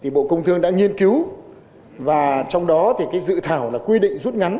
thì bộ công thương đã nghiên cứu và trong đó thì dự thảo là quy định rút ngắn